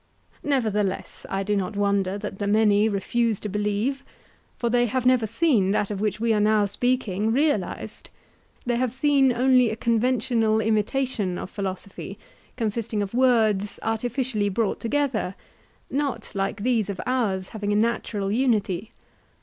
Nevertheless, I do not wonder that the many refuse to believe; for they have never seen that of which we are now speaking realized; they have seen only a conventional imitation of philosophy, consisting of words artificially brought together, not like these of ours having a natural unity.